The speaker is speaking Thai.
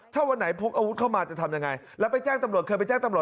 ถ้าวันไหนพกอาวุธเข้ามาจะทำยังไงแล้วไปแจ้งตำรวจ